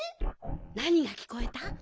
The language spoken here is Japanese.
なにがきこえた？